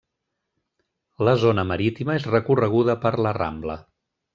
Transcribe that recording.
La zona marítima és recorreguda per La Rambla.